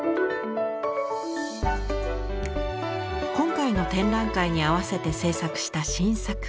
今回の展覧会に合わせて制作した新作。